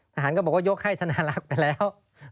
ทหารก็บอกว่ายกให้ธนาลักษณ์ไปแล้ว